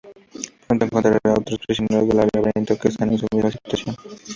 Pronto encontrará otros prisioneros del laberinto que están en su misma situación.